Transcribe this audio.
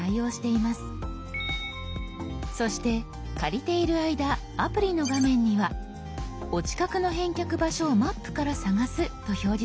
そして借りている間アプリの画面には「お近くの返却場所をマップからさがす」と表示されています。